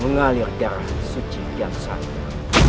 mengalir darah suci yang satu